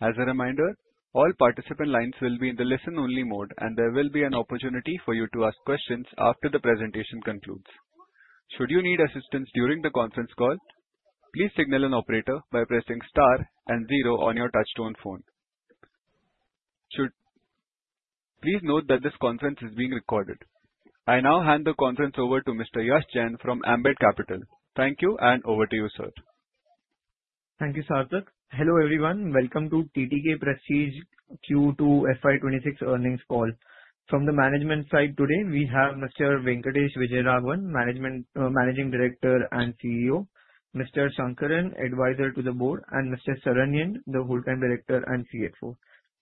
As a reminder, all participant lines will be in the listen-only mode, and there will be an opportunity for you to ask questions after the presentation concludes. Should you need assistance during the conference call, please signal an operator by pressing star and zero on your touch-tone phone. Please note that this conference is being recorded. I now hand the conference over to Mr. Yash Jain from Ambit Capital. Thank you, and over to you, sir. Thank you, Sarthak. Hello everyone, welcome to TTK Prestige Q2 FY 2026 earnings call. From the management side today, we have Mr. Venkatesh Vijayaraghavan, Managing Director and CEO, Mr. Shankaran, Advisor to the Board, and Mr. Saranyan, the Whole Time Director and CFO.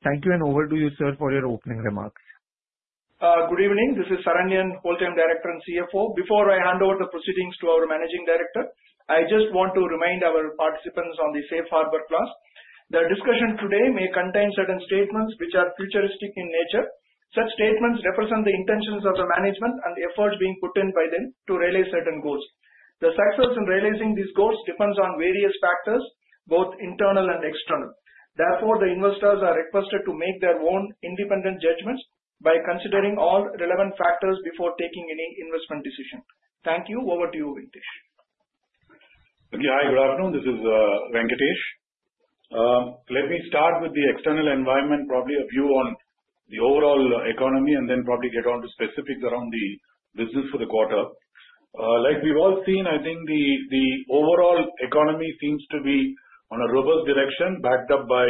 Thank you, and over to you, sir, for your opening remarks. Good evening. This is Saranyan, Whole Time Director and CFO. Before I hand over the proceedings to our Managing Director, I just want to remind our participants on the safe harbor clause. The discussion today may contain certain statements which are futuristic in nature. Such statements represent the intentions of the management and the efforts being put in by them to realize certain goals. The success in realizing these goals depends on various factors, both internal and external. Therefore, the investors are requested to make their own independent judgments by considering all relevant factors before taking any investment decision. Thank you, over to you, Venkatesh. Okay, hi, good afternoon. This is Venkatesh. Let me start with the external environment, probably a view on the overall economy, and then probably get on to specifics around the business for the quarter. Like we've all seen, I think the overall economy seems to be on a robust direction, backed up by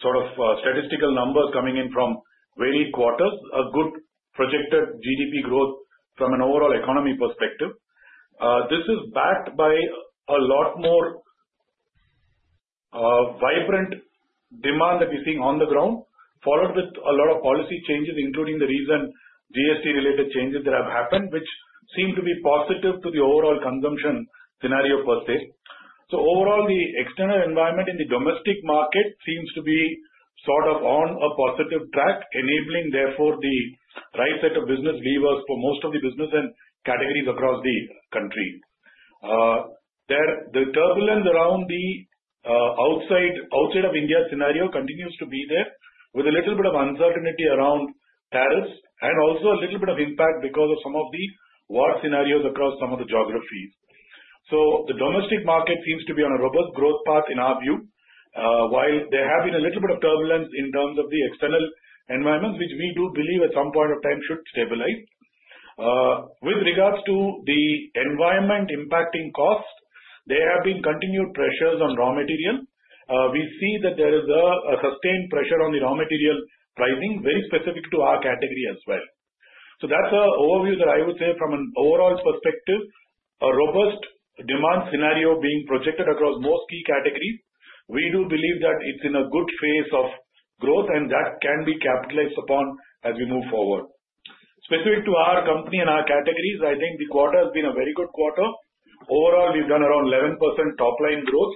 sort of statistical numbers coming in from various quarters, a good projected GDP growth from an overall economy perspective. This is backed by a lot more vibrant demand that we're seeing on the ground, followed with a lot of policy changes, including the recent GST-related changes that have happened, which seem to be positive to the overall consumption scenario per se. So overall, the external environment in the domestic market seems to be sort of on a positive track, enabling therefore the right set of business levers for most of the business and categories across the country. The turbulence around the outside of India scenario continues to be there, with a little bit of uncertainty around tariffs and also a little bit of impact because of some of the war scenarios across some of the geographies. So the domestic market seems to be on a robust growth path in our view, while there has been a little bit of turbulence in terms of the external environment, which we do believe at some point of time should stabilize. With regards to the environment impacting costs, there have been continued pressures on raw material. We see that there is a sustained pressure on the raw material pricing, very specific to our category as well. So that's an overview that I would say from an overall perspective, a robust demand scenario being projected across most key categories. We do believe that it's in a good phase of growth, and that can be capitalized upon as we move forward. Specific to our company and our categories, I think the quarter has been a very good quarter. Overall, we've done around 11% top-line growth,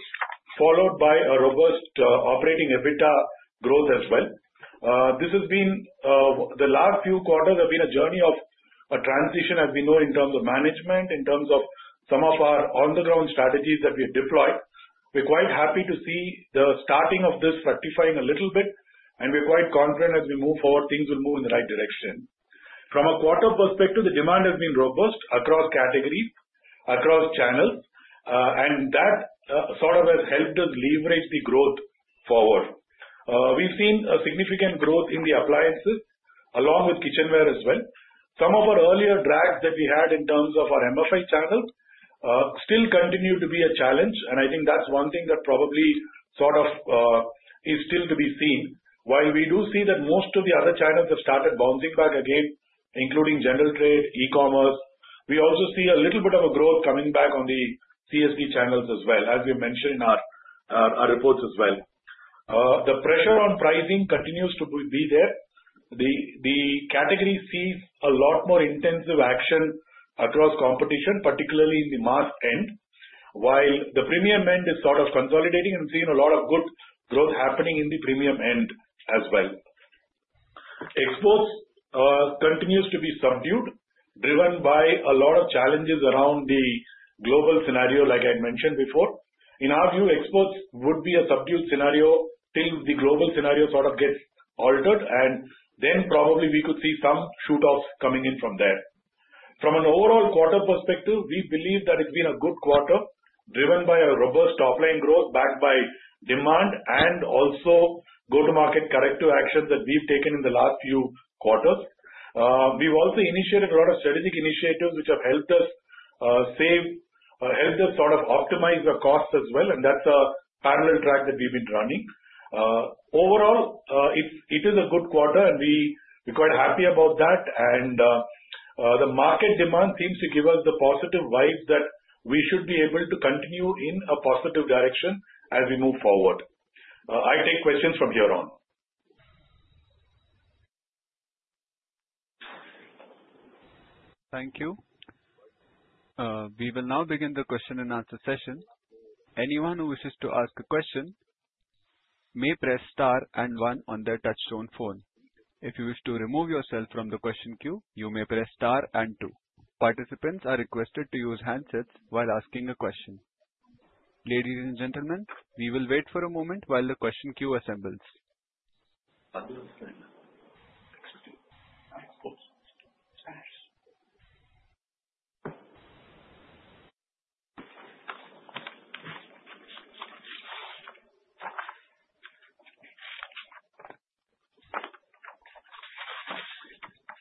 followed by a robust operating EBITDA growth as well. This has been, the last few quarters have been a journey of a transition, as we know, in terms of management, in terms of some of our on-the-ground strategies that we have deployed. We're quite happy to see the starting of this fructifying a little bit, and we're quite confident as we move forward, things will move in the right direction. From a quarter perspective, the demand has been robust across categories, across channels, and that sort of has helped us leverage the growth forward. We've seen a significant growth in the appliances, along with kitchenware as well. Some of our earlier drags that we had in terms of our MFI channel still continue to be a challenge, and I think that's one thing that probably sort of is still to be seen. While we do see that most of the other channels have started bouncing back again, including general trade, e-commerce, we also see a little bit of a growth coming back on the CSD channels as well, as we mentioned in our reports as well. The pressure on pricing continues to be there. The category sees a lot more intensive action across competition, particularly in the mass end, while the premium end is sort of consolidating and seeing a lot of good growth happening in the premium end as well. Exports continue to be subdued, driven by a lot of challenges around the global scenario, like I mentioned before. In our view, exports would be a subdued scenario till the global scenario sort of gets altered, and then probably we could see some shoot-ups coming in from there. From an overall quarter perspective, we believe that it's been a good quarter, driven by a robust top-line growth backed by demand and also go-to-market corrective actions that we've taken in the last few quarters. We've also initiated a lot of strategic initiatives which have helped us save, helped us sort of optimize the costs as well, and that's a parallel track that we've been running. Overall, it is a good quarter, and we're quite happy about that, and the market demand seems to give us the positive vibes that we should be able to continue in a positive direction as we move forward. I take questions from here on. Thank you. We will now begin the question and answer session. Anyone who wishes to ask a question may press star and one on their touch-tone phone. If you wish to remove yourself from the question queue, you may press star and two. Participants are requested to use handsets while asking a question. Ladies and gentlemen, we will wait for a moment while the question queue assembles.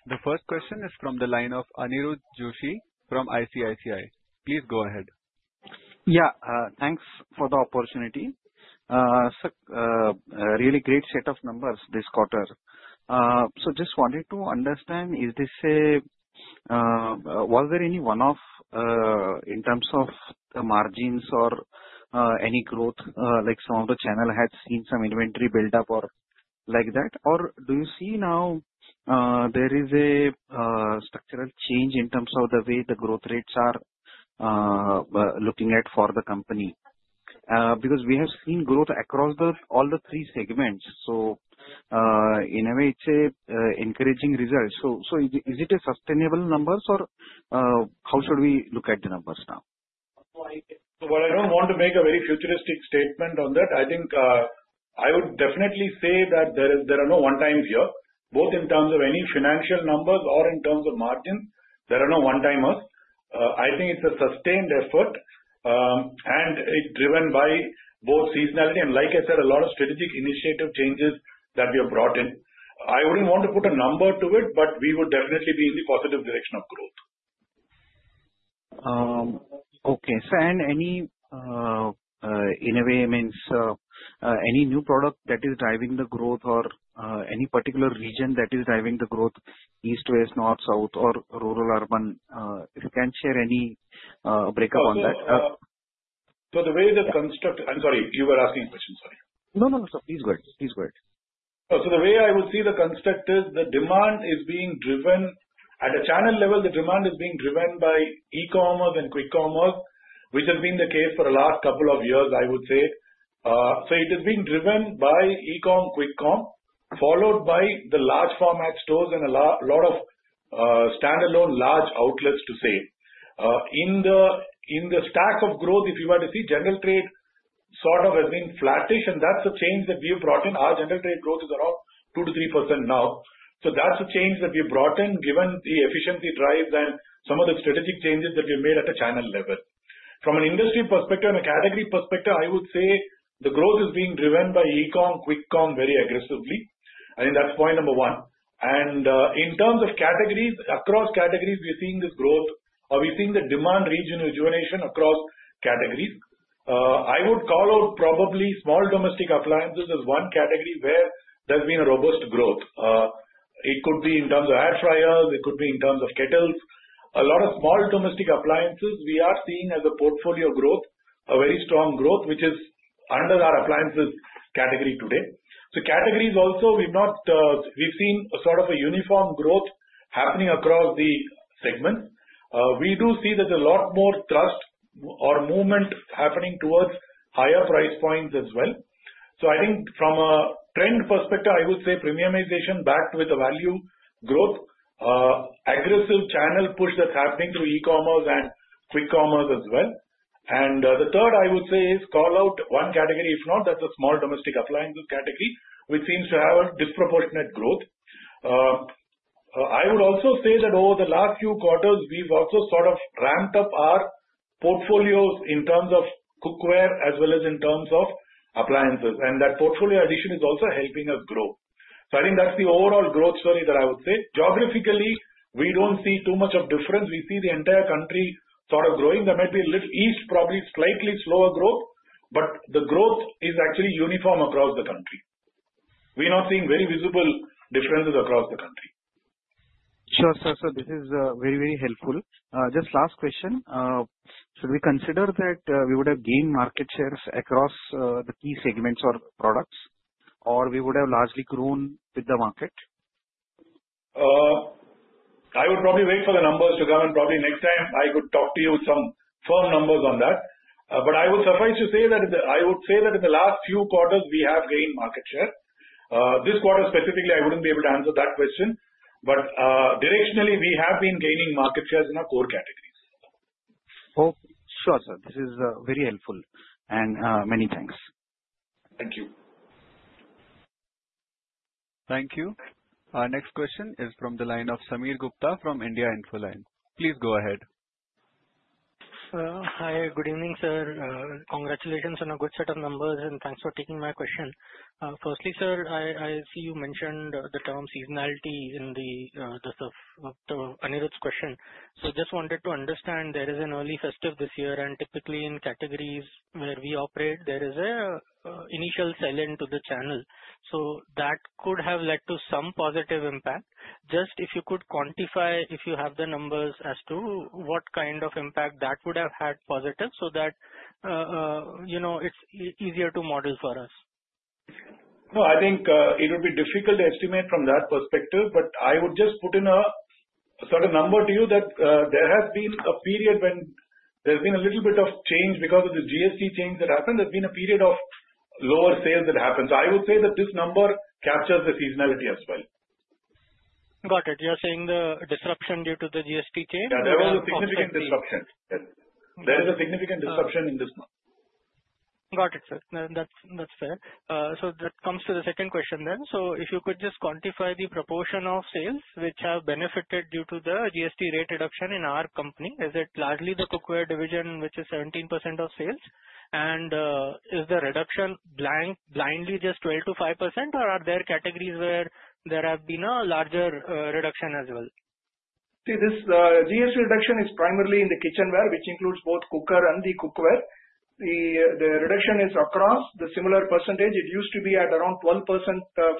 The first question is from the line of Aniruddha Joshi from ICICI. Please go ahead. Yeah, thanks for the opportunity. Really great set of numbers this quarter. So just wanted to understand, was there any one-off in terms of the margins or any growth, like some of the channel had seen some inventory buildup or like that? Or do you see now there is a structural change in terms of the way the growth rates are looking at for the company? Because we have seen growth across all the three segments, so in a way, it's an encouraging result. So is it a sustainable numbers, or how should we look at the numbers now? So I don't want to make a very futuristic statement on that. I think I would definitely say that there are no one-times here, both in terms of any financial numbers or in terms of margins. There are no one-timers. I think it's a sustained effort, and it's driven by both seasonality and, like I said, a lot of strategic initiative changes that we have brought in. I wouldn't want to put a number to it, but we would definitely be in the positive direction of growth. Okay, so in a way, I mean, so any new product that is driving the growth or any particular region that is driving the growth, east, west, north, south, or rural-urban, if you can share any breakup on that? So the way the construct, I'm sorry, you were asking a question, sorry. No, no, no, sir, please go ahead. Please go ahead. So the way I would see the construct is the demand is being driven at a channel level. The demand is being driven by e-commerce and quick commerce, which has been the case for the last couple of years, I would say. So it is being driven by e-com, quick com, followed by the large format stores and a lot of standalone large outlets to say. In the stack of growth, if you were to see, general trade sort of has been flattish, and that's the change that we have brought in. Our general trade growth is around 2%-3% now. So that's the change that we have brought in, given the efficiency drives and some of the strategic changes that we have made at a channel level. From an industry perspective and a category perspective, I would say the growth is being driven by e-com, quick com very aggressively. I think that's point number one. And in terms of categories, across categories, we are seeing this growth, or we're seeing the demand, regional rejuvenation across categories. I would call out probably small domestic appliances as one category where there's been a robust growth. It could be in terms of air fryers. It could be in terms of kettles. A lot of small domestic appliances, we are seeing as a portfolio growth, a very strong growth, which is under our appliances category today, so categories also, we've seen sort of a uniform growth happening across the segments. We do see there's a lot more thrust or movement happening towards higher price points as well. So I think from a trend perspective, I would say premiumization backed with the value growth, aggressive channel push that's happening through e-commerce and quick commerce as well. And the third I would say is call out one category, if not, that's a small domestic appliances category, which seems to have a disproportionate growth. I would also say that over the last few quarters, we've also sort of ramped up our portfolios in terms of cookware as well as in terms of appliances, and that portfolio addition is also helping us grow. So I think that's the overall growth story that I would say. Geographically, we don't see too much of difference. We see the entire country sort of growing. There might be a little east, probably slightly slower growth, but the growth is actually uniform across the country. We're not seeing very visible differences across the country. Sure, sir, this is very, very helpful. Just last question, should we consider that we would have gained market shares across the key segments or products, or we would have largely grown with the market? I would probably wait for the numbers to come in. Probably next time, I could talk to you with some firm numbers on that. But I would suffice to say that I would say that in the last few quarters, we have gained market share. This quarter specifically, I wouldn't be able to answer that question, but directionally, we have been gaining market shares in our core categories. Oh, sure, sir. This is very helpful, and many thanks. Thank you. Thank you. Our next question is from the line of Sameer Gupta from India Infoline. Please go ahead. Hi, good evening, sir. Congratulations on a good set of numbers, and thanks for taking my question. Firstly, sir, I see you mentioned the term seasonality in Aniruddha's question. So just wanted to understand, there is an early festive this year, and typically in categories where we operate, there is an initial sell-in to the channel. So that could have led to some positive impact. Just if you could quantify, if you have the numbers as to what kind of impact that would have had positive, so that it's easier to model for us. No, I think it would be difficult to estimate from that perspective, but I would just put in a sort of number to you that there has been a period when there's been a little bit of change because of the GST change that happened. There's been a period of lower sales that happened. So I would say that this number captures the seasonality as well. Got it. You're saying the disruption due to the GST change? Yeah, there was a significant disruption. There is a significant disruption in this month. Got it, sir. That's fair. So that comes to the second question then. So if you could just quantify the proportion of sales which have benefited due to the GST rate reduction in our company, is it largely the cookware division, which is 17% of sales? And is the reduction blindly just 12%-5%, or are there categories where there have been a larger reduction as well? See, this GST reduction is primarily in the kitchenware, which includes both cookware. The reduction is across the similar percentage. It used to be at around 12%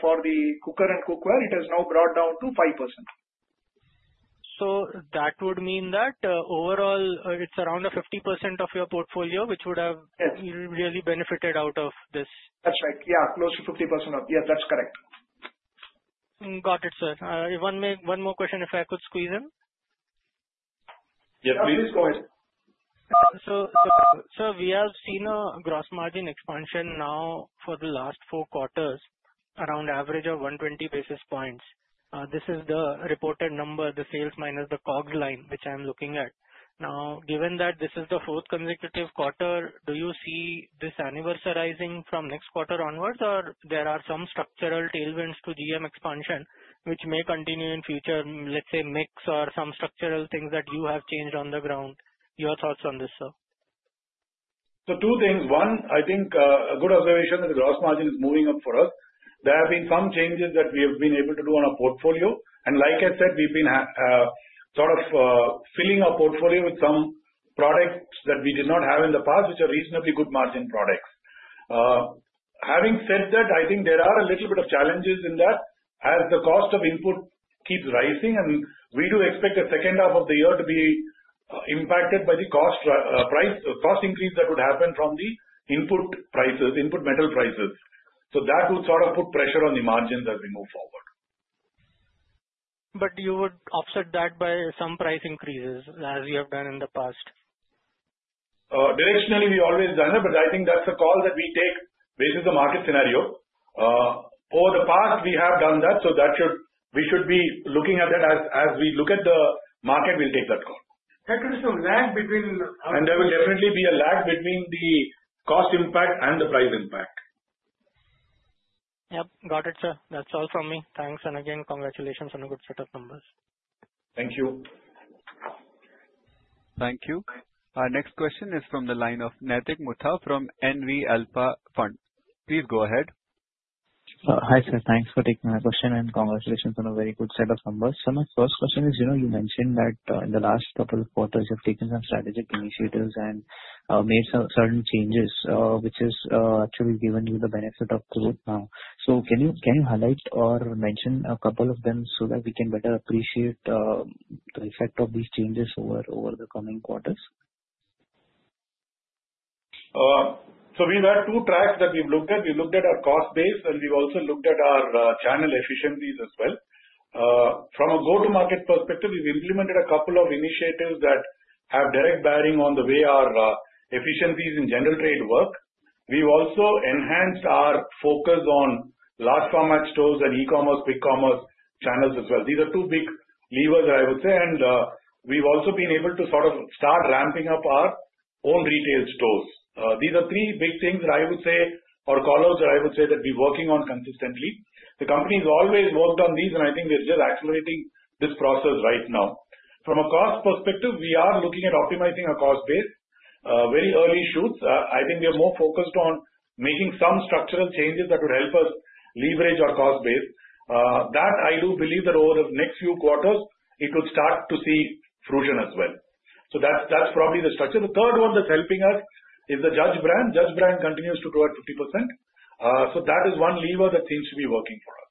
for the cookware. It has now brought down to 5%. So that would mean that overall, it's around 50% of your portfolio, which would have really benefited out of this. That's right. Yeah, close to 50%. Yeah, that's correct. Got it, sir. One more question, if I could squeeze in. Yeah, please go ahead. So, sir, we have seen a gross margin expansion now for the last four quarters, around average of 120 basis points. This is the reported number, the sales minus the COGS line, which I'm looking at. Now, given that this is the fourth consecutive quarter, do you see this anniversarizing from next quarter onwards, or there are some structural tailwinds to GM expansion, which may continue in future, let's say, mix or some structural things that you have changed on the ground? Your thoughts on this, sir. So two things. One, I think a good observation that the gross margin is moving up for us. There have been some changes that we have been able to do on our portfolio. And like I said, we've been sort of filling our portfolio with some products that we did not have in the past, which are reasonably good margin products. Having said that, I think there are a little bit of challenges in that as the cost of input keeps rising, and we do expect the second half of the year to be impacted by the cost increase that would happen from the input prices, input metal prices. So that would sort of put pressure on the margins as we move forward. But you would offset that by some price increases as you have done in the past? Directionally, we always done it, but I think that's a call that we take based on the market scenario. Over the past, we have done that, so we should be looking at that as we look at the market, we'll take that call. There could be some lag between our prices. And there will definitely be a lag between the cost impact and the price impact. Yep, got it, sir. That's all from me. Thanks, and again, congratulations on a good set of numbers. Thank you. Thank you. Our next question is from the line of Naitik Mutha from NV Alpha Fund. Please go ahead. Hi, sir. Thanks for taking my question, and congratulations on a very good set of numbers. So my first question is, you mentioned that in the last couple of quarters, you have taken some strategic initiatives and made some certain changes, which has actually given you the benefit of the growth now. So can you highlight or mention a couple of them so that we can better appreciate the effect of these changes over the coming quarters? So we've had two tracks that we've looked at. We looked at our cost base, and we've also looked at our channel efficiencies as well. From a go-to-market perspective, we've implemented a couple of initiatives that have direct bearing on the way our efficiencies in general trade work. We've also enhanced our focus on large format stores and e-commerce, quick commerce channels as well. These are two big levers, I would say, and we've also been able to sort of start ramping up our own retail stores. These are three big things that I would say, or callouts that I would say that we're working on consistently. The company has always worked on these, and I think we're just accelerating this process right now. From a cost perspective, we are looking at optimizing our cost base. Very early shoots. I think we are more focused on making some structural changes that would help us leverage our cost base. I do believe that over the next few quarters, it would start to see fruition as well. So that's probably the structure. The third one that's helping us is the Judge brand. Judge brand continues to grow at 50%. So that is one lever that seems to be working for us.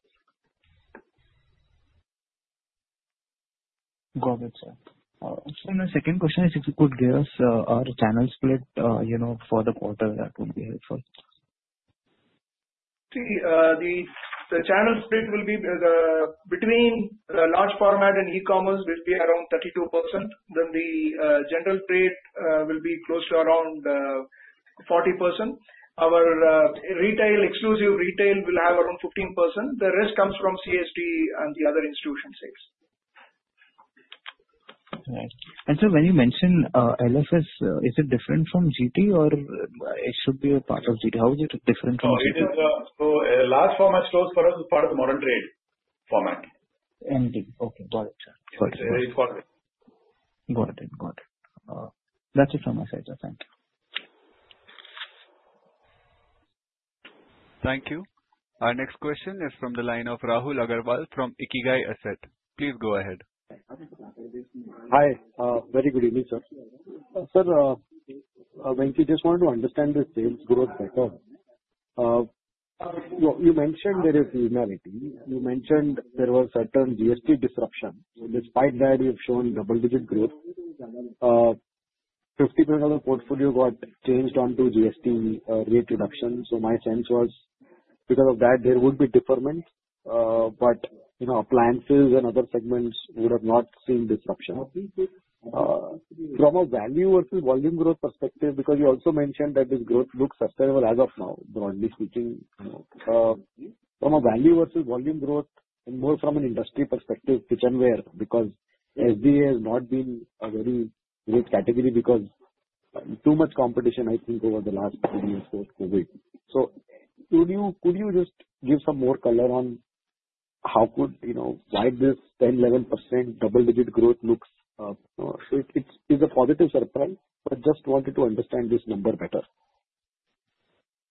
Got it, sir. Actually, my second question is, if you could give us our channel split for the quarter, that would be helpful. See, the channel split will be between large format and e-commerce will be around 32%. Then the general trade will be close to around 40%. Our retail, exclusive retail will have around 15%. The rest comes from CSD and the other institutional sales. Nice. And sir, when you mentioned LFS, is it different from GT, or it should be a part of GT? How is it different from GT? No, it is a large format stores for us as part of the modern trade format. Okay, got it, sir. Got it. Very important. Got it, got it. That's it from my side, sir. Thank you. Thank you. Our next question is from the line of Rahul Agarwal from Ikigai Asset. Please go ahead. Hi, very good evening, sir. Sir, I just wanted to understand the sales growth better. You mentioned there is seasonality. You mentioned there was certain GST disruption. Despite that, you've shown double-digit growth. 50% of the portfolio got changed onto GST rate reduction. So my sense was because of that, there would be deferment, but appliances and other segments would have not seen disruption. From a value versus volume growth perspective, because you also mentioned that this growth looks sustainable as of now, broadly speaking, from a value versus volume growth and more from an industry perspective, kitchenware, because SBA has not been a very great category because too much competition, I think, over the last few years post-COVID. So could you just give some more color on how could this 10%-11% double-digit growth look? It is a positive surprise, but just wanted to understand this number better.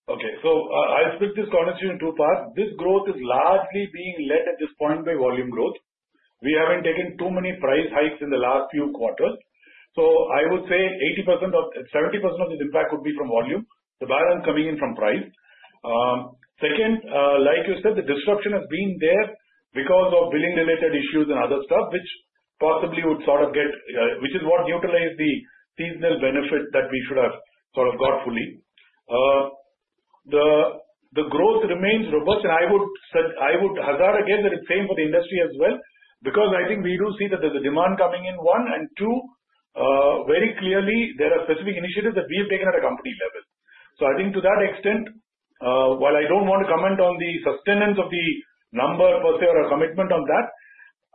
Okay, so I'll split this conversation in two parts. This growth is largely being led at this point by volume growth. We haven't taken too many price hikes in the last few quarters. So I would say 70% of this impact would be from volume. The balance coming in from price. Second, like you said, the disruption has been there because of billing-related issues and other stuff, which possibly would sort of get, which is what neutralized the seasonal benefit that we should have sort of got fully. The growth remains robust, and I would hazard a guess that it's same for the industry as well, because I think we do see that there's a demand coming in. One, and two, very clearly, there are specific initiatives that we have taken at a company level. So I think to that extent, while I don't want to comment on the sustenance of the number per se or a commitment on that,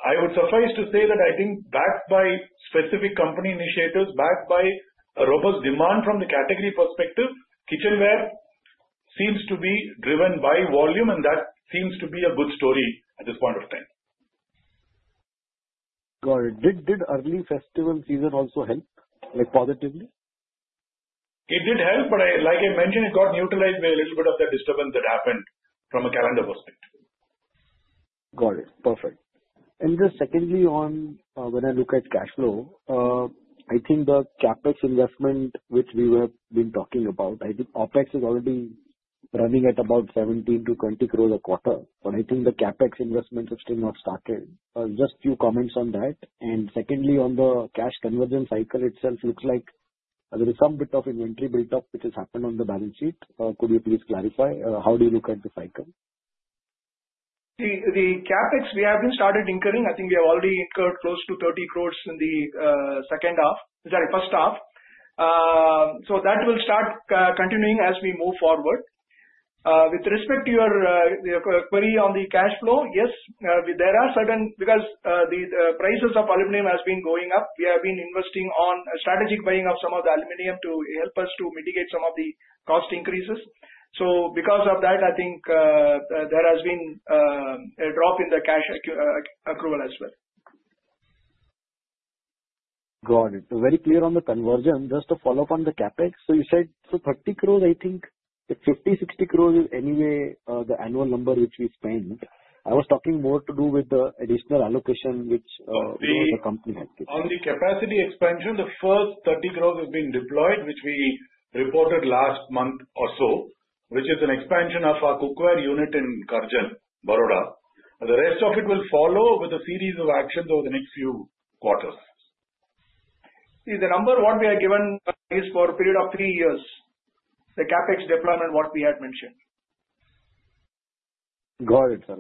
I would suffice to say that I think backed by specific company initiatives, backed by a robust demand from the category perspective, kitchenware seems to be driven by volume, and that seems to be a good story at this point of time. Got it. Did early festival season also help positively? It did help, but like I mentioned, it got neutralized by a little bit of the disturbance that happened from a calendar perspective. Got it. Perfect. And just secondly, when I look at cash flow, I think the CapEx investment, which we have been talking about, I think OPEX is already running at about 17-20 crores a quarter, but I think the CapEx investments have still not started. Just a few comments on that. And secondly, on the cash conversion cycle itself, looks like there is some bit of inventory build-up which has happened on the balance sheet. Could you please clarify? How do you look at the cycle? See, the CapEx, we have been started incurring. I think we have already incurred close to 30 crores in the second half. Sorry, first half. So that will start continuing as we move forward. With respect to your query on the cash flow, yes, there are certain because the prices of aluminum have been going up, we have been investing on strategic buying of some of the aluminum to help us to mitigate some of the cost increases. So because of that, I think there has been a drop in the cash accrual as well. Got it. So very clear on the convergence. Just to follow up on the CapEx, so you said so 30 crores, I think 50 crores, 60 crores is anyway the annual number which we spend. I was talking more to do with the additional allocation which the company has given. On the capacity expansion, the first 30 crores have been deployed, which we reported last month or so, which is an expansion of our cookware unit in Karjan, Baroda. The rest of it will follow with a series of actions over the next few quarters. See, the number what we are given is for a period of three years, the CapEx deployment what we had mentioned. Got it, sir.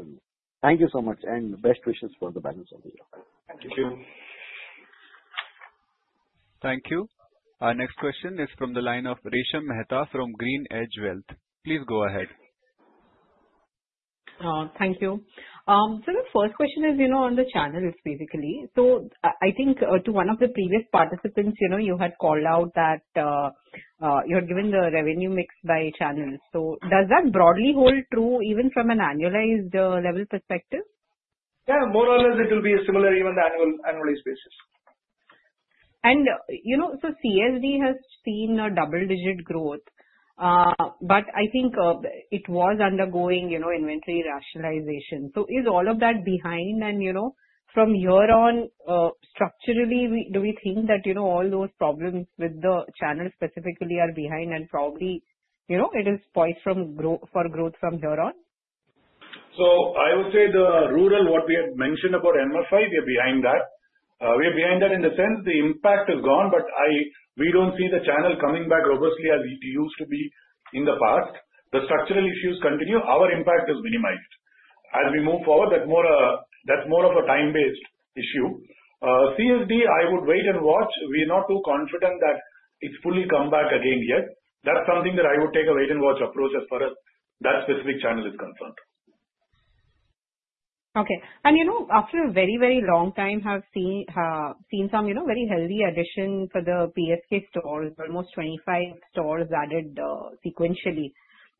Thank you so much, and best wishes for the balance of the year. Thank you. Thank you. Our next question is from the line of Resha Mehta from Green Edge Wealth. Please go ahead. Thank you. So the first question is on the channels, basically. So I think to one of the previous participants, you had called out that you had given the revenue mix by channels. So does that broadly hold true even from an annualized level perspective? Yeah, more or less, it will be similar even on the annualized basis. And so CSD has seen a double-digit growth, but I think it was undergoing inventory rationalization. So is all of that behind? And from here on, structurally, do we think that all those problems with the channels specifically are behind, and probably it is poised for growth from here on? So I would say the rural what we had mentioned about MFI, we are behind that. We are behind that in the sense the impact is gone, but we don't see the channel coming back robustly as it used to be in the past. The structural issues continue. Our impact is minimized. As we move forward, that's more of a time-based issue. CSD, I would wait and watch. We are not too confident that it's fully come back again yet. That's something that I would take a wait-and-watch approach as far as that specific channel is concerned. Okay. And after a very, very long time, have seen some very healthy addition for the PSK stores, almost 25 stores added sequentially.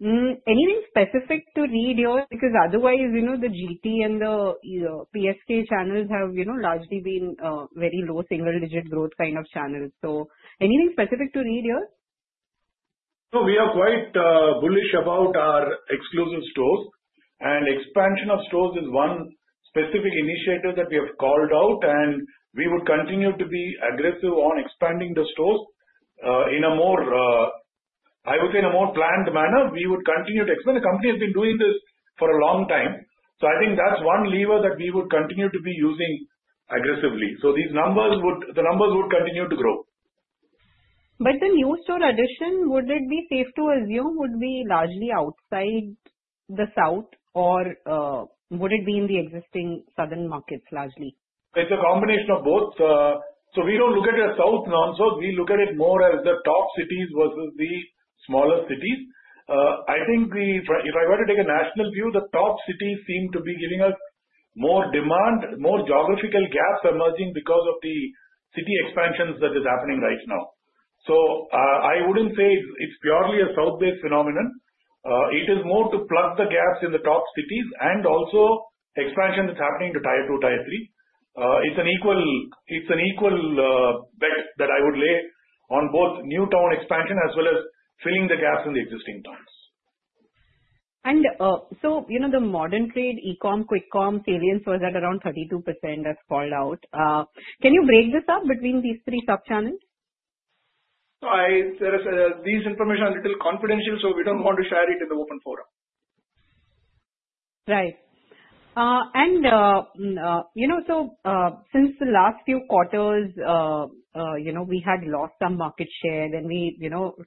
Anything specific to read here? Because otherwise, the GT and the PSK channels have largely been very low single-digit growth kind of channels. So anything specific to read here? So we are quite bullish about our exclusive stores, and expansion of stores is one specific initiative that we have called out, and we would continue to be aggressive on expanding the stores in a more, I would say, in a more planned manner. We would continue to expand. The company has been doing this for a long time. So I think that's one lever that we would continue to be using aggressively. So these numbers would continue to grow. But the new store addition, would it be safe to assume would be largely outside the south, or would it be in the existing southern markets largely? It's a combination of both. So we don't look at it as south, non-south. We look at it more as the top cities versus the smaller cities. I think if I were to take a national view, the top cities seem to be giving us more demand, more geographical gaps emerging because of the city expansions that are happening right now. So I wouldn't say it's purely a south-based phenomenon. It is more to plug the gaps in the top cities and also expansion that's happening to tier two, tier three. It's an equal bet that I would lay on both new town expansion as well as filling the gaps in the existing towns. So the modern trade, e-com, quick com, salience was at around 32%, as called out. Can you break this up between these three sub-channels? So these information are a little confidential, so we don't want to share it in the open forum. Right, and so since the last few quarters, we had lost some market share, then we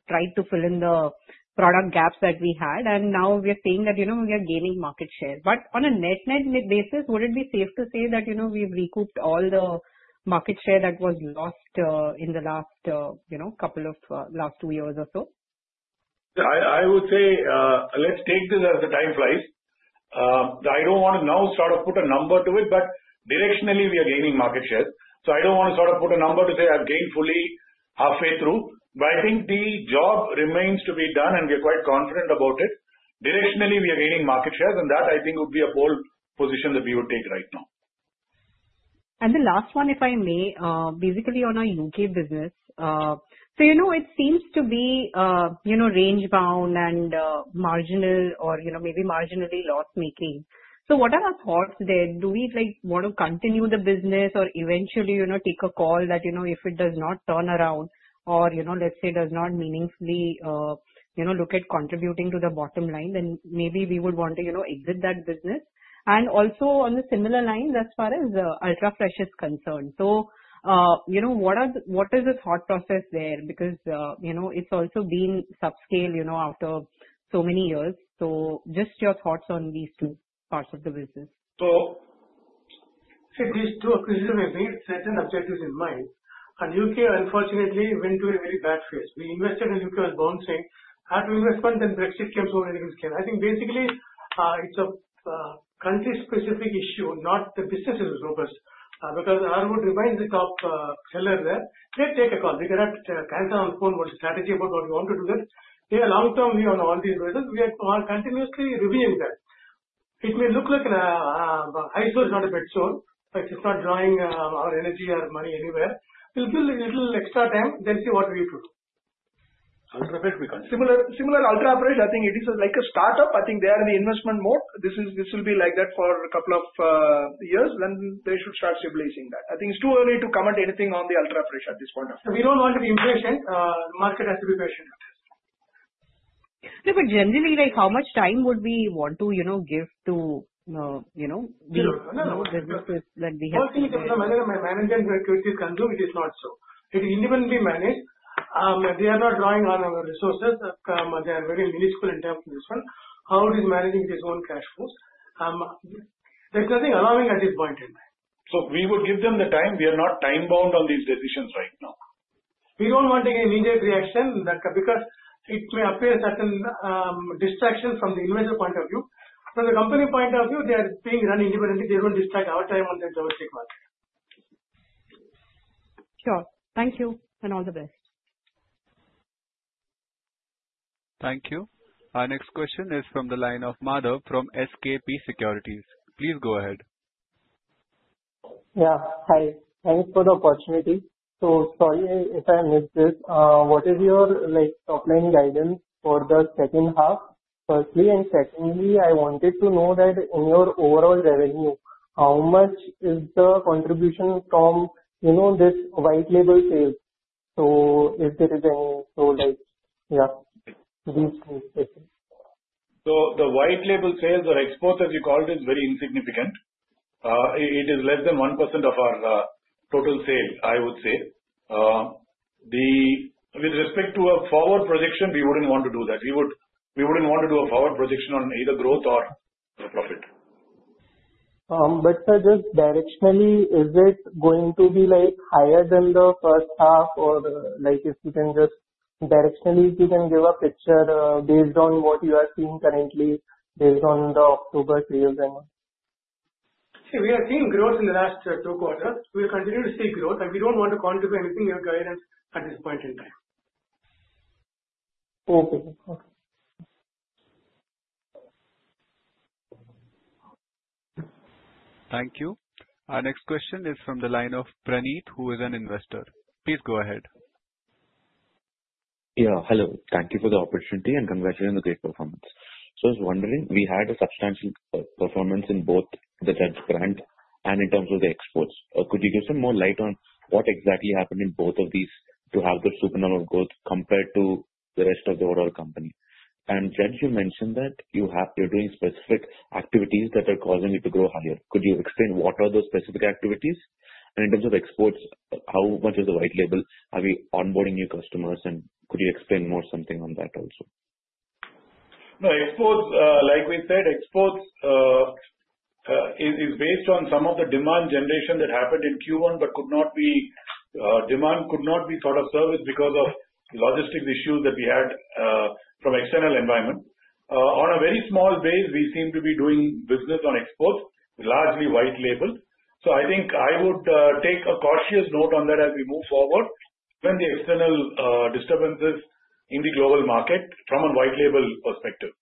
tried to fill in the product gaps that we had, and now we're seeing that we are gaining market share, but on a net-net basis, would it be safe to say that we've recouped all the market share that was lost in the last couple of two years or so? Yeah, I would say let's take this as the time flies. I don't want to now sort of put a number to it, but directionally, we are gaining market share. So I don't want to sort of put a number to say I've gained fully halfway through. But I think the job remains to be done, and we are quite confident about it. Directionally, we are gaining market share, and that I think would be a bold position that we would take right now. The last one, if I may, basically on our U.K. business. So it seems to be range-bound and marginal or maybe marginally loss-making. So what are our thoughts then? Do we want to continue the business or eventually take a call that if it does not turn around or let's say does not meaningfully look at contributing to the bottom line, then maybe we would want to exit that business? And also on a similar line as far as Ultrafresh is concerned. So what is the thought process there? Because it's also been subscale after so many years. So just your thoughts on these two parts of the business. These two occasionally may have certain objectives in mind. The U.K., unfortunately, went through a very bad phase. We invested in the U.K. It was bouncing. Had to invest funds, then Brexit came through and everything came back. I think basically it's a country-specific issue, not the business. It is robust. Because I would remind the top seller there, let's take a call. We can have counsel on the phone what the strategy is about what we want to do there. We have a long-term view on all these reasons. We are continuously reviewing that. It may look like an eyesore. It's not a millstone. It's not drawing our energy or money anywhere. We'll give a little extra time, then see what we need to do. Ultrafresh, we can't do. Similar Ultrafresh, I think it is like a startup. I think they are in the investment mode. This will be like that for a couple of years, then they should start stabilizing that. I think it's too early to comment anything on Ultrafresh at this point of time. We don't want to be impatient. The market has to be patient. But generally, how much time would we want to give to the businesses that we have? Mostly in the manner my management activities can do, it is not so. It is independently managed. They are not drawing on our resources. They are very minuscule in terms of this one. How it is managing its own cash flows? There's nothing alarming at this point in time. So we would give them the time. We are not time-bound on these decisions right now. We don't want to get immediate reaction because it may appear certain distractions from the investor point of view. From the company point of view, they are being run independently. They don't distract our time on the domestic market. Sure. Thank you, and all the best. Thank you. Our next question is from the line of Madhav from SKP Securities. Please go ahead. Yeah, hi. Thanks for the opportunity. So sorry if I missed this. What is your top-line guidance for the second half? Firstly and secondly, I wanted to know that in your overall revenue, how much is the contribution from this white-label sales? So if there is any, so yeah, these two questions. So the white-label sales or exports, as you called it, is very insignificant. It is less than 1% of our total sale, I would say. With respect to a forward projection, we wouldn't want to do that. We wouldn't want to do a forward projection on either growth or profit. But just directionally, is it going to be higher than the first half? Or if you can just directionally, if you can give a picture based on what you are seeing currently, based on the October sales and all? See, we are seeing growth in the last two quarters. We will continue to see growth, and we don't want to contribute anything in your guidance at this point in time. Okay. Thank you. Our next question is from the line of Praneet, who is an investor. Please go ahead. Yeah, hello. Thank you for the opportunity and congratulations on the great performance. So I was wondering, we had a substantial performance in both the Judge brand and in terms of the exports. Could you give some more light on what exactly happened in both of these to have the supernormal growth compared to the rest of the overall company? And Judge, you mentioned that you're doing specific activities that are causing you to grow higher. Could you explain what are those specific activities? And in terms of exports, how much is the white-label? Are we onboarding new customers? And could you explain more something on that also? No, exports, like we said, exports is based on some of the demand generation that happened in Q1, but the demand could not be sort of serviced because of logistics issues that we had from external environment. On a very small base, we seem to be doing business on exports, largely white-label. So I think I would take a cautious note on that as we move forward when the external disturbances in the global market from a white-label perspective.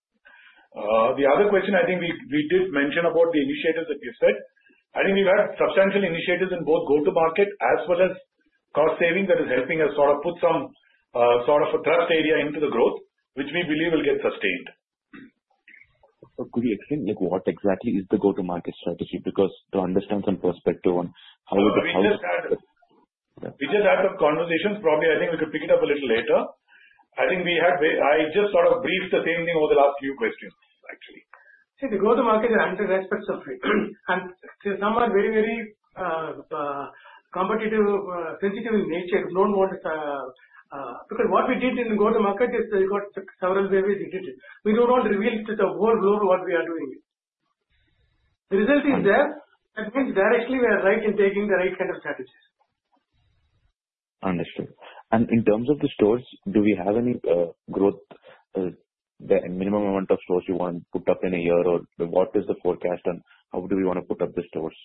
The other question, I think we did mention about the initiatives that you said. I think we've had substantial initiatives in both go-to-market as well as cost saving that is helping us sort of put some sort of a thrust area into the growth, which we believe will get sustained. So could you explain what exactly is the go-to-market strategy? Because to understand some perspective on how it. We just had. Yeah. We just had some conversations. Probably, I think we could pick it up a little later. I think we had. I just sort of briefed the same thing over the last few questions, actually. See, the go-to-market in a hundred aspects of it. And since some are very, very competitively sensitive in nature, don't want to because what we did in the go-to-market is we got several ways we did it. We don't want to reveal to the whole globe what we are doing. The result is there. That means directly we are right in taking the right kind of strategies. Understood. And in terms of the stores, do we have any growth, minimum amount of stores you want to put up in a year, or what is the forecast, and how do we want to put up the stores?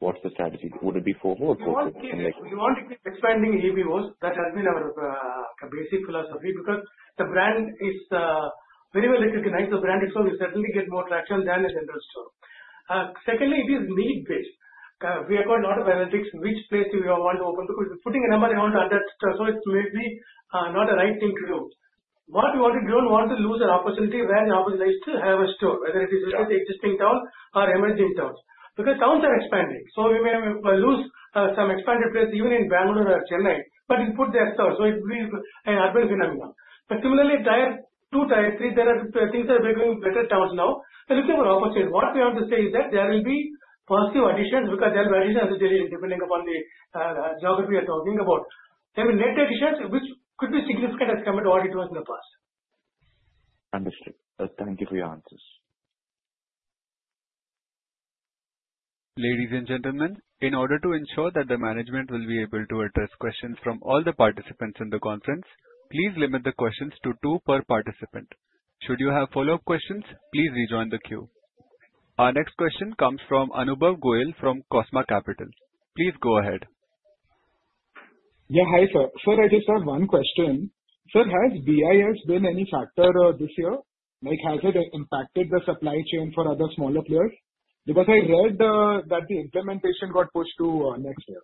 What's the strategy? Would it be four or four? We want to keep expanding EBOs. That has been our basic philosophy because the brand is very well recognized. The brand itself will certainly get more traction than a central store. Secondly, it is need-based. We have got a lot of analytics, which place do we want to open? Because putting a number around 100 stores, it may be not a right thing to do. What we want to do, we don't want to lose an opportunity where the opportunity is to have a store, whether it is within the existing town or emerging towns. Because towns are expanding, so we may lose some expanded place even in Bangalore or Chennai, but we put their stores. It will be an urban phenomenon. Similarly, tier two, tier three, there are things that are becoming better towns now. We're looking for opportunities. What we have to say is that there will be positive additions because there will be additions as a delivery, depending upon the geography we are talking about. There will be net additions, which could be significant as compared to what it was in the past. Understood. Thank you for your answers. Ladies and gentlemen, in order to ensure that the management will be able to address questions from all the participants in the conference, please limit the questions to two per participant. Should you have follow-up questions, please rejoin the queue. Our next question comes from Anubhav Goel from Cosma Capital. Please go ahead. Yeah, hi, sir. Sir, I just have one question. Sir, has BIS been any factor this year? Has it impacted the supply chain for other smaller players? Because I read that the implementation got pushed to next year.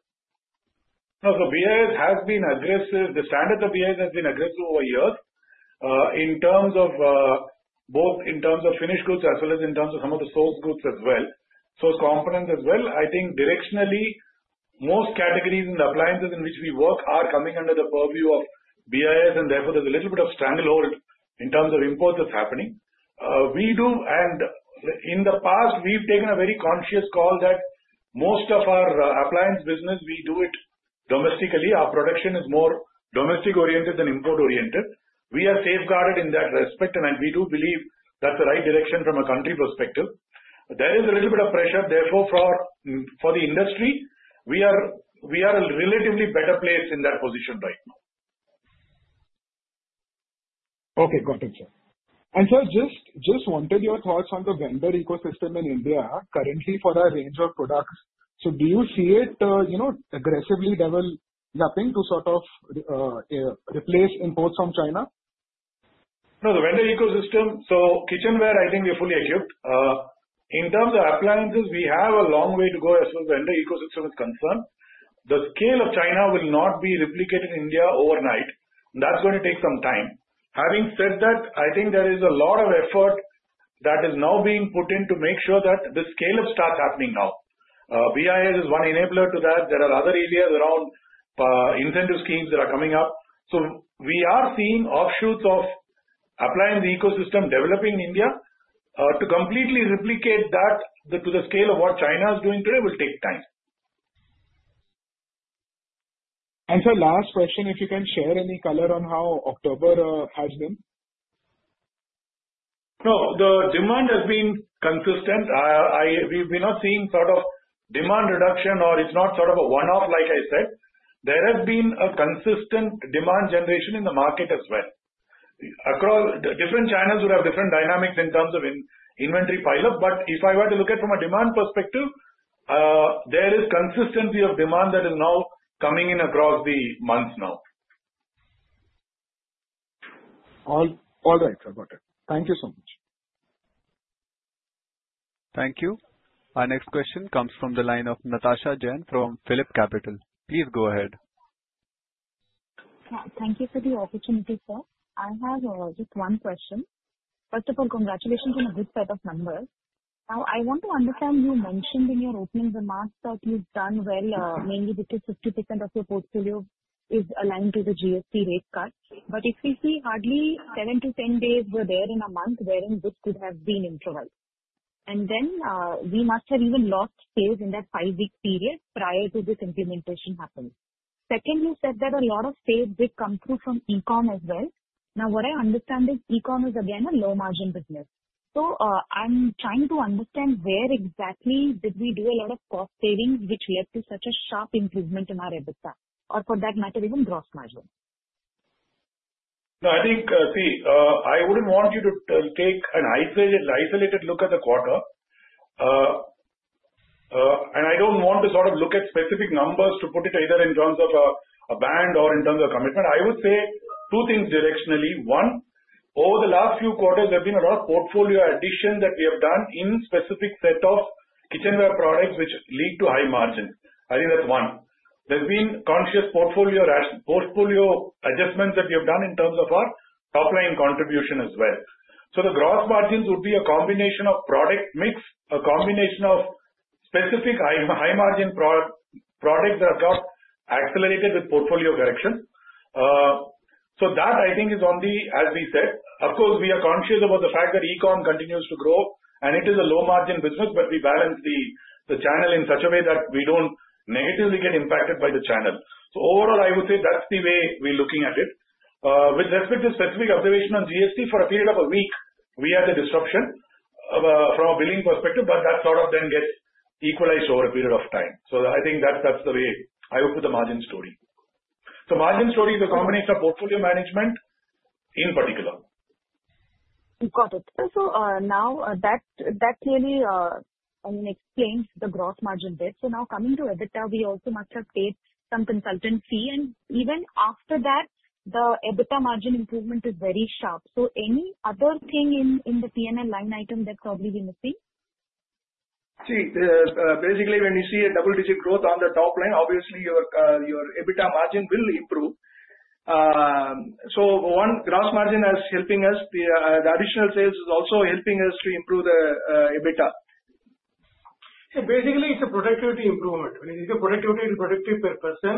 No, so BIS has been aggressive. The standard of BIS has been aggressive over years in terms of both finished goods as well as some of the source goods. Source components. I think directionally, most categories in the appliances in which we work are coming under the purview of BIS, and therefore there's a little bit of stranglehold in terms of imports that's happening. We do, and in the past, we've taken a very conscious call that most of our appliance business, we do it domestically. Our production is more domestic-oriented than import-oriented. We are safeguarded in that respect, and we do believe that's the right direction from a country perspective. There is a little bit of pressure. Therefore, for the industry, we are a relatively better place in that position right now. Okay, got it, sir, and sir, just wanted your thoughts on the vendor ecosystem in India currently for our range of products, so do you see it aggressively developing to sort of replace imports from China? No, the vendor ecosystem, so kitchenware, I think we are fully equipped. In terms of appliances, we have a long way to go as far as the vendor ecosystem is concerned. The scale of China will not be replicated in India overnight. That's going to take some time. Having said that, I think there is a lot of effort that is now being put in to make sure that the scale-up starts happening now. BIS is one enabler to that. There are other areas around incentive schemes that are coming up. So we are seeing offshoots of appliance ecosystem developing in India. To completely replicate that to the scale of what China is doing today will take time. Sir, last question, if you can share any color on how October has been? No, the demand has been consistent. We've been not seeing sort of demand reduction or it's not sort of a one-off, like I said. There has been a consistent demand generation in the market as well. Different channels will have different dynamics in terms of inventory pile-up, but if I were to look at it from a demand perspective, there is consistency of demand that is now coming in across the months now. All right, sir, got it. Thank you so much. Thank you. Our next question comes from the line of Natasha Jain from PhillipCapital. Please go ahead. Thank you for the opportunity, sir. I have just one question. First of all, congratulations on a good set of numbers. Now, I want to understand you mentioned in your opening remarks that you've done well, mainly because 50% of your portfolio is aligned to the GST rate cut, but if we see hardly 7-10 days were there in a month wherein this could have been improvised, and then we must have even lost sales in that five-week period prior to this implementation happening. Second, you said that a lot of sales did come through from e-comm as well. Now, what I understand is e-com is again a low-margin business, so I'm trying to understand where exactly did we do a lot of cost savings which led to such a sharp improvement in our EBITDA, or for that matter, even gross margin? No, I think, see, I wouldn't want you to take an isolated look at the quarter. And I don't want to sort of look at specific numbers to put it either in terms of a band or in terms of commitment. I would say two things directionally. One, over the last few quarters, there have been a lot of portfolio additions that we have done in specific set of kitchenware products which lead to high margins. I think that's one. There's been conscious portfolio adjustments that we have done in terms of our top-line contribution as well. So the gross margins would be a combination of product mix, a combination of specific high-margin products that have got accelerated with portfolio correction. So that, I think, is on the, as we said. Of course, we are conscious about the fact that e-com continues to grow, and it is a low-margin business, but we balance the channel in such a way that we don't negatively get impacted by the channel. So overall, I would say that's the way we're looking at it. With respect to specific observation on GST, for a period of a week, we had a disruption from a billing perspective, but that sort of then gets equalized over a period of time. So I think that's the way I would put the margin story. So margin story is a combination of portfolio management in particular. Got it. So now that clearly, I mean, explains the gross margin bit. So now coming to EBITDA, we also must have paid some consultant fee. And even after that, the EBITDA margin improvement is very sharp. So any other thing in the P&L line item that's probably missing? See, basically, when you see a double-digit growth on the top line, obviously, your EBITDA margin will improve. So one, gross margin is helping us. The additional sales is also helping us to improve the EBITDA. So basically, it's a productivity improvement. When you think of productivity, it's productivity per person,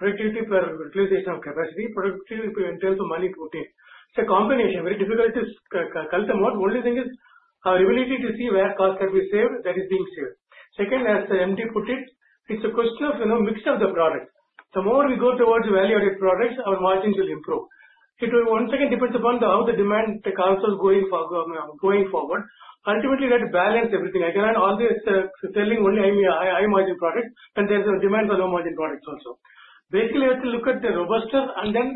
productivity per utilization of capacity, productivity per initial money put in. It's a combination. Very difficult to calculate the amount. The only thing is our ability to see where cost can be saved, that is being saved. Second, as MD put it, it's a question of mixture of the products. The more we go towards value-added products, our margins will improve. It once again depends upon how the demand cycle is going forward. Ultimately, that balances everything. I cannot sell only high-margin products, and there's a demand for low-margin products also. Basically, we have to look at the robustness and then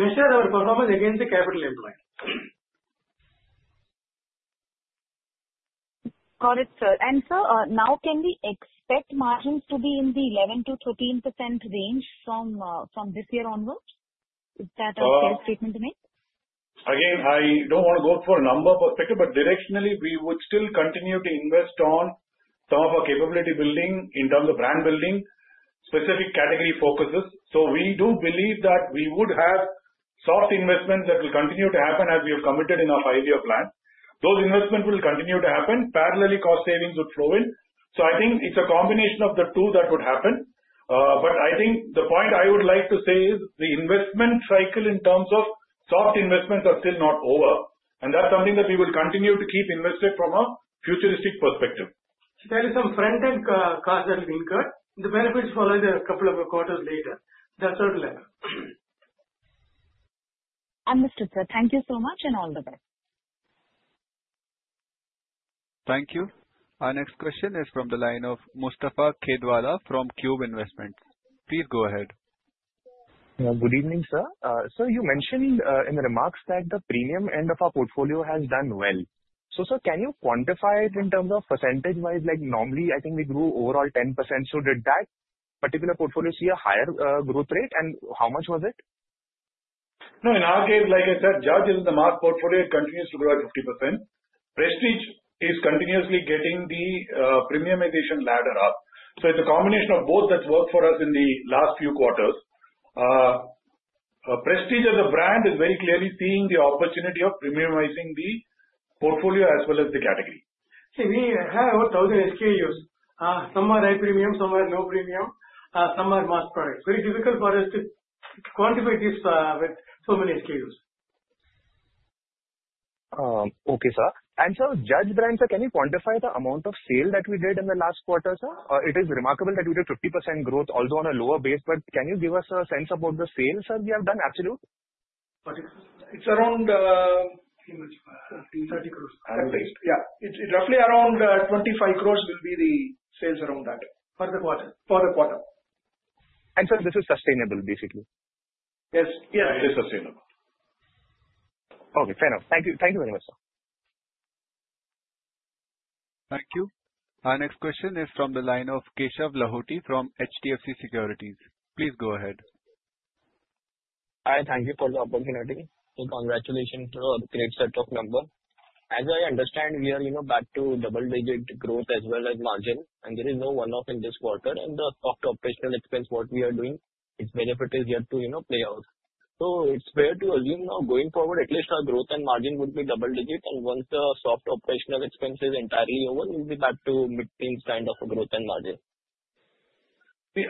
measure our performance against the capital employed. Got it, sir. And sir, now can we expect margins to be in the 11%-13% range from this year onwards? Is that a fair statement to make? Again, I don't want to go for a number perspective, but directionally, we would still continue to invest on some of our capability building in terms of brand building, specific category focuses, so we do believe that we would have soft investments that will continue to happen as we have committed in our five-year plan. Those investments will continue to happen. Parallelly, cost savings would flow in, so I think it's a combination of the two that would happen, but I think the point I would like to say is the investment cycle in terms of soft investments are still not over, and that's something that we will continue to keep invested from a futuristic perspective. There is some front-end cost that will be incurred. The benefits follow a couple of quarters later. That's certainly. Understood, sir. Thank you so much and all the best. Thank you. Our next question is from the line of Mustafa Khedwala from Cube Investment. Please go ahead. Good evening, sir. Sir, you mentioned in the remarks that the premium end of our portfolio has done well. So sir, can you quantify it in terms of percentage-wise? Normally, I think we grew overall 10%. So did that particular portfolio see a higher growth rate, and how much was it? No, in our case, like I said, Judge is in the mass portfolio. It continues to grow at 50%. Prestige is continuously getting the premiumization ladder up. So it's a combination of both that worked for us in the last few quarters. Prestige as a brand is very clearly seeing the opportunity of premiumizing the portfolio as well as the category. See, we have over 1,000 SKUs. Some are high premium, some are low premium, some are mass products. Very difficult for us to quantify this with so many SKUs. Okay, sir. And sir, Judge brand, sir, can you quantify the amount of sale that we did in the last quarter, sir? It is remarkable that we did 50% growth, although on a lower base. But can you give us a sense about the sales, sir, we have done? Absolute? It's around 30 crores. At least. Yeah. It's roughly around 25 crores will be the sales around that. For the quarter. For the quarter. Sir, this is sustainable, basically? Yes. Yes. It is sustainable. Okay. Fair enough. Thank you. Thank you very much, sir. Thank you. Our next question is from the line of Keshav Lahoti from HDFC Securities. Please go ahead. Hi, thank you for the opportunity. Congratulations to a great set of numbers. As I understand, we are back to double-digit growth as well as margin, and there is no one-off in this quarter. And the softer operational expense, what we are doing, its benefit is here to play out. So it's fair to assume now going forward, at least our growth and margin would be double-digit, and once the softer operational expense is entirely over, we'll be back to mid-teens kind of growth and margin. See,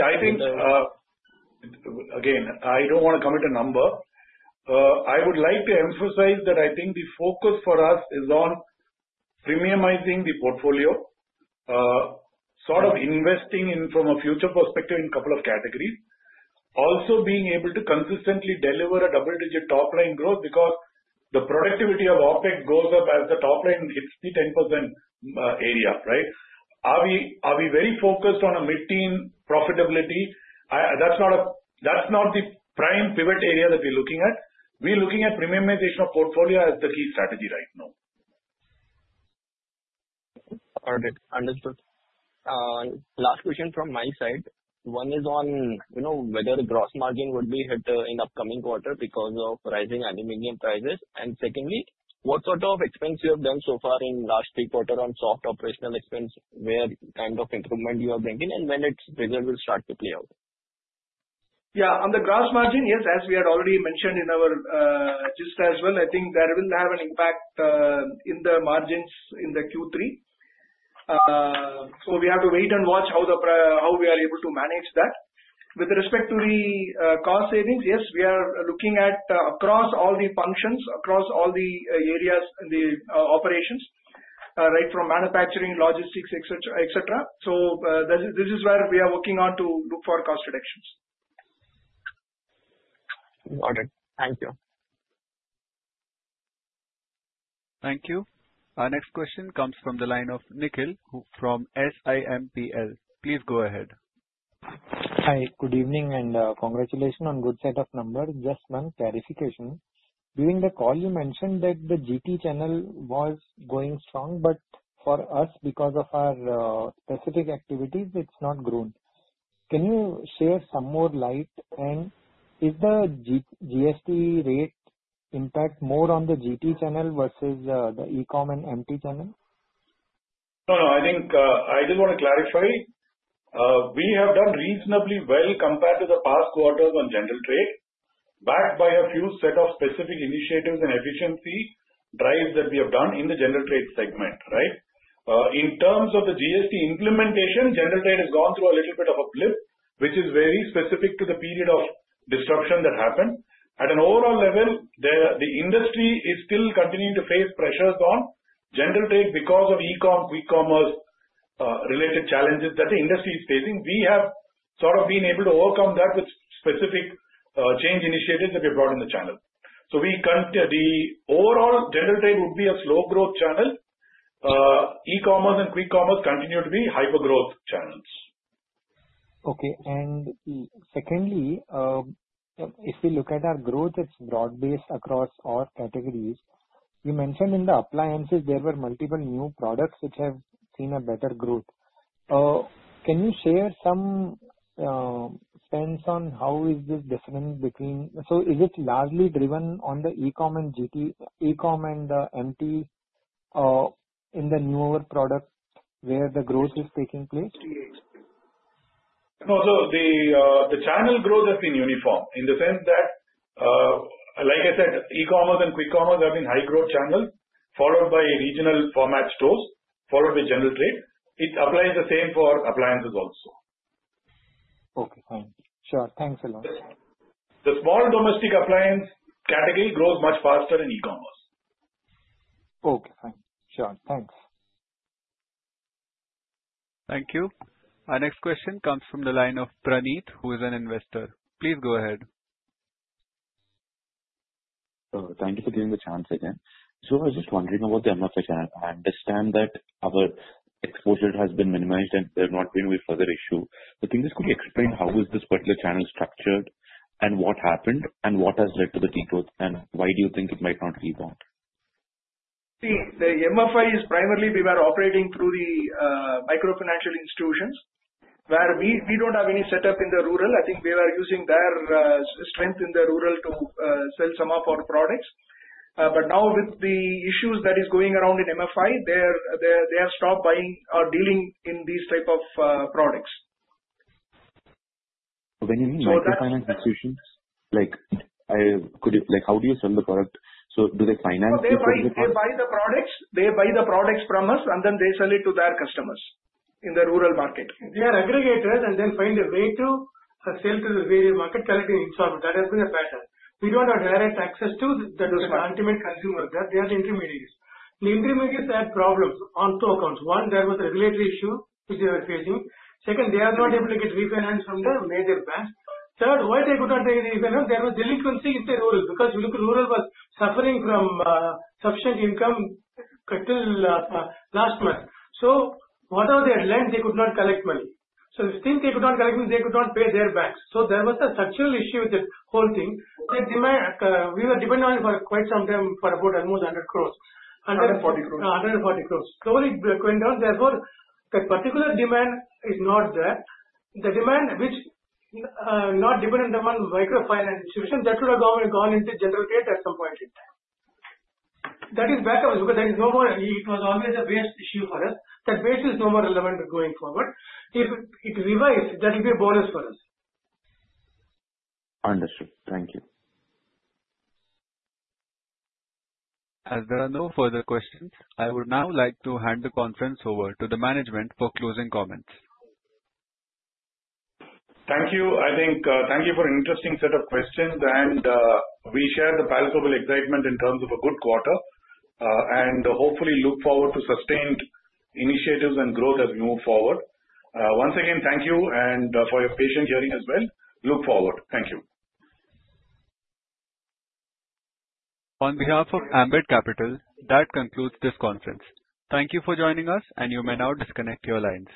I think, again, I don't want to commit a number. I would like to emphasize that I think the focus for us is on premiumizing the portfolio, sort of investing in from a future perspective in a couple of categories, also being able to consistently deliver a double-digit top-line growth because the productivity of OpEx goes up as the top line hits the 10% area, right? Are we very focused on a mid-teen profitability? That's not the prime pivot area that we're looking at. We're looking at premiumization of portfolio as the key strategy right now. Got it. Understood. Last question from my side. One is on whether the gross margin would be hit in upcoming quarter because of rising aluminum prices? And secondly, what sort of expense you have done so far in last three quarters on sort of operational expense, what kind of improvement you are bringing, and when its result will start to play out? Yeah. On the gross margin, yes, as we had already mentioned in our GIST as well, I think that will have an impact in the margins in the Q3. We have to wait and watch how we are able to manage that. With respect to the cost savings, yes, we are looking at across all the functions, across all the areas in the operations, right from manufacturing, logistics, et cetera. This is where we are working on to look for cost reductions. Got it. Thank you. Thank you. Our next question comes from the line of Nikhil from SIMPL. Please go ahead. Hi, good evening and congratulations on good set of numbers. Just one clarification. During the call, you mentioned that the GT channel was going strong, but for us, because of our specific activities, it's not grown. Can you shed some more light? And is the GST rate impact more on the GT channel versus the e-com and MT channel? No, no. I think I just want to clarify. We have done reasonably well compared to the past quarters on general trade, backed by a few set of specific initiatives and efficiency drives that we have done in the general trade segment, right? In terms of the GST implementation, general trade has gone through a little bit of a blip, which is very specific to the period of disruption that happened. At an overall level, the industry is still continuing to face pressures on general trade because of e-com, quick commerce-related challenges that the industry is facing. We have sort of been able to overcome that with specific change initiatives that we have brought in the channel. So the overall general trade would be a slow growth channel. E-commerce and quick commerce continue to be hyper-growth channels. Okay. And secondly, if we look at our growth, it's broad-based across all categories. You mentioned in the appliances, there were multiple new products which have seen a better growth. Can you share some sense on how is this difference between? So is it largely driven on the e-com and MT in the newer products where the growth is taking place? No, so the channel growth has been uniform in the sense that, like I said, e-commerce and quick commerce have been high-growth channels, followed by regional format stores, followed by general trade. It applies the same for appliances also. Okay. Fine. Sure. Thanks a lot. The small domestic appliance category grows much faster in e-commerce. Okay. Fine. Sure. Thanks. Thank you. Our next question comes from the line of Praneet, who is an investor. Please go ahead. Thank you for giving me the chance again. So I was just wondering about the MFI channel. I understand that our exposure has been minimized and there have not been any further issues. But can you just quickly explain how is this particular channel structured and what happened and what has led to the degrowth, and why do you think it might not rebound? See, the MFI is primarily we were operating through the microfinance institutions where we don't have any setup in the rural. I think they were using their strength in the rural to sell some of our products. But now with the issues that are going around in MFI, they have stopped buying or dealing in these types of products. When you mean microfinance institutions, how do you sell the product? Do they finance you for the product? They buy the products. They buy the products from us, and then they sell it to their customers in the rural market. They are aggregators and then find a way to sell to the various markets collecting installments. That has been a pattern. We don't have direct access to the ultimate consumer. They are the intermediaries. The intermediaries had problems on two accounts. One, there was a regulatory issue which they were facing. Second, they are not able to get refinanced from their major banks. Third, why they could not get refinanced? There was delinquency in the rural because rural was suffering from insufficient income till last month. So whatever they had lent, they could not collect money. So then they could not collect money, they could not pay their banks. So there was a structural issue with the whole thing. We were dependent on it for quite some time for about almost 100 crores. 140 crores. 140 crores. Slowly it went down. Therefore, the particular demand is not there. The demand which not dependent upon microfinance institutions, that would have gone into general trade at some point in time. That is back of us because there is no more it was always a waste issue for us. That waste is no more relevant going forward. If it revives, that will be a bonus for us. Understood. Thank you. As there are no further questions, I would now like to hand the conference over to the management for closing comments. Thank you. I think thank you for an interesting set of questions. And we share the palpable excitement in terms of a good quarter and hopefully look forward to sustained initiatives and growth as we move forward. Once again, thank you for your patience hearing as well. Look forward. Thank you. On behalf of Ambit Capital, that concludes this conference. Thank you for joining us, and you may now disconnect your lines.